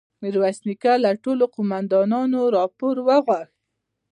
ميرويس نيکه له ټولو قوماندانانو راپور وغوښت.